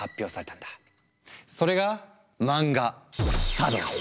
それが漫画「サ道」。